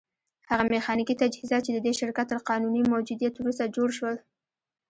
هغه ميخانيکي تجهيزات چې د دې شرکت تر قانوني موجوديت وروسته جوړ شول.